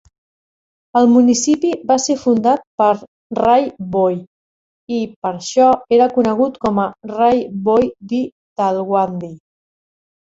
El municipi va ser fundat per Rai Bhoi i, per això, era conegut com a Rai-Bhoi-Di-Talwandi.